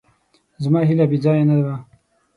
زما هیله بېځایه نه وه.